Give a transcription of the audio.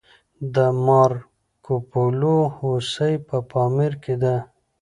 د مارکوپولو هوسۍ په پامیر کې ده